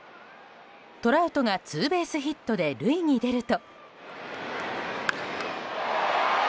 トラウトがツーベースヒットで塁に出ると。